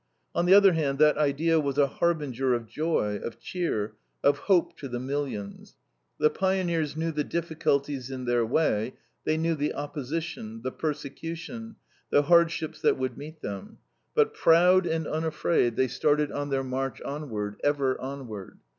On the other hand, that idea was a harbinger of joy, of cheer, of hope to the millions. The pioneers knew the difficulties in their way, they knew the opposition, the persecution, the hardships that would meet them, but proud and unafraid they started on their march onward, ever onward.